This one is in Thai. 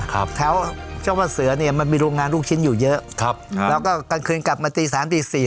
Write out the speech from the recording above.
ครับแถวเจ้าว่าเสือเนี้ยมันมีโรงงานลูกชิ้นอยู่เยอะครับอ่าแล้วก็กลางคืนกลับมาตีสามตีสี่